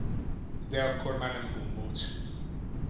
De akkor már nem gombóc.